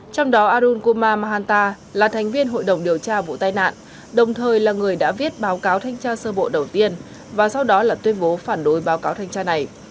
trong đó aroun koma mahanta là thành viên hội đồng điều tra vụ tai nạn đồng thời là người đã viết báo cáo thanh tra sơ bộ đầu tiên và sau đó là tuyên bố phản đối báo cáo thanh tra này